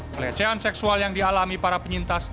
pelecehan seksual yang dialami para penyintas